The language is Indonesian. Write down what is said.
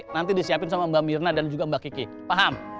nanti disiapin sama mbak mirna dan juga mbak kiki paham